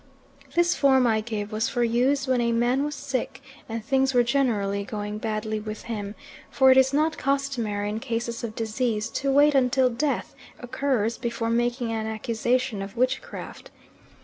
This form I give was for use when a man was sick, and things were generally going badly with him, for it is not customary in cases of disease to wait until death occurs before making an accusation of witchcraft.